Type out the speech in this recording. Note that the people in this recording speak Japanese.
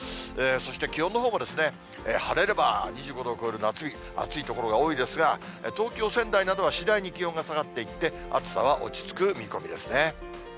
そして気温のほうも、晴れれば２５度を超える夏日、暑い所が多いですが、東京、仙台などは次第に気温が下がっていって、暑さは落ち着く見込みですね。